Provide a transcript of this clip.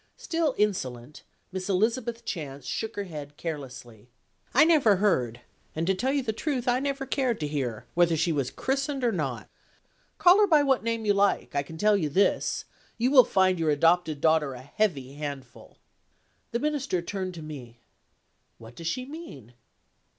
Still insolent, Miss Elizabeth Chance shook her head carelessly. "I never heard and, to tell you the truth, I never cared to hear whether she was christened or not. Call her by what name you like, I can tell you this you will find your adopted daughter a heavy handful." The Minister turned to me. "What does she mean?"